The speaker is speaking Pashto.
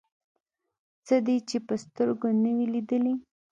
څه دې چې په سترګو نه وي لیدلي.